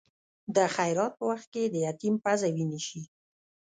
د خیرات په وخت کې د یتیم پزه وینې شي.